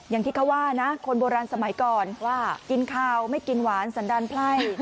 อย่างที่เขาว่านะคนโบราณสมัยก่อนว่ากินข้าวไม่กินหวานสันดาลไพร่